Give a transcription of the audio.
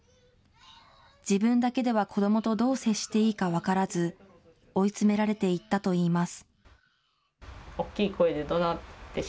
自分だけでは子どもとどう接していいか分からず、追い詰められていったといいます。